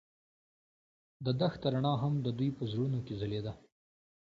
د دښته رڼا هم د دوی په زړونو کې ځلېده.